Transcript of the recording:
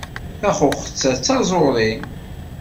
Taxuxet-a d taẓuri.